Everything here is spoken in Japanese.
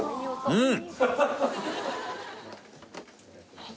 うん！